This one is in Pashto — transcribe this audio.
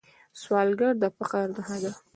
سوالګر د فقر نښه ده